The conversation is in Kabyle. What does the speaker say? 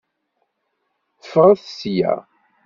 Ffɣet sya.